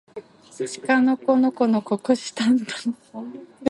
しかのこのこのここしたんたん